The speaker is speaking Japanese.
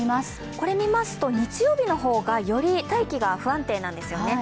これ見ますと日曜日の方がより大気が不安定なんですよね。